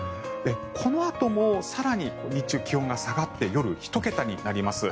このあとも更に日中は気温が下がって夜、１桁になります。